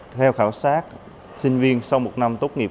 theo khảo sát sinh viên sau một năm tốt nghiệp